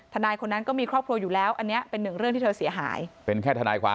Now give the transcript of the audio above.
ทนัยคนนั้นก็มีครอบครัวอยู่แล้วอันเนี้ยเป็นหนึ่งเรื่องที่เธอเสียหาย